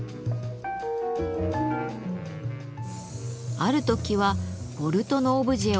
ある時はボルトのオブジェを手作り。